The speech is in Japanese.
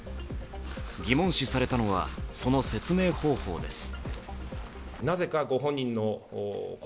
疑問視されたのはその説明方法です。